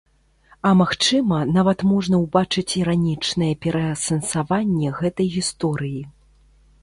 А магчыма, нават можна ўбачыць іранічнае пераасэнсаванне гэтай гісторыі.